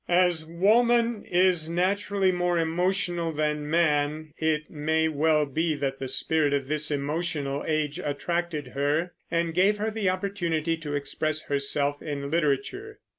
As woman is naturally more emotional than man, it may well be that the spirit of this emotional age attracted her, and gave her the opportunity to express herself in literature.